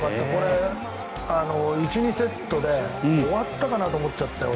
１、２セットで終わったかなと思っちゃったよ。